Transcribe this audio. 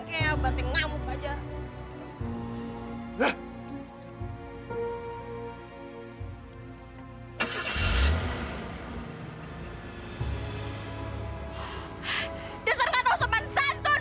gue tunggu lo di depan kelas